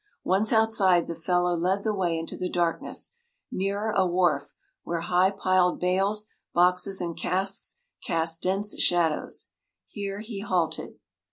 Once outside, the fellow led the way into the darkness, nearer a wharf, where high piled bales, boxes, and casks cast dense shadows. Here he halted.